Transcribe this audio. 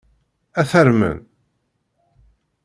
Ad t-armen.